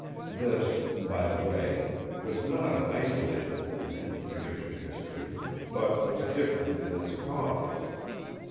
This, by the way, was not an isolated belief in Egyptian history; but was different in its cause.